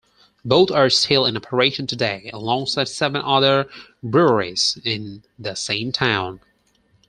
Both are still in operation today, alongside seven other breweries in the same town.